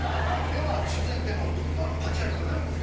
では続いてのポテトはこちらでございます。